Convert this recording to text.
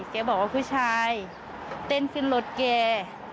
แกบอกว่าผู้ชายเต้นขึ้นรถแก